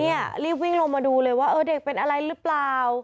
นี่รีบวิ่งลงมาดูเลยว่าเออเด็กเป็นอะไรหรือเปล่า